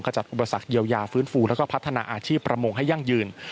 จัดอุปสรรคเยียวยาฟื้นฟูแล้วก็พัฒนาอาชีพประมงให้ยั่งยืน